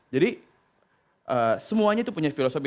jadi semuanya itu punya filosofi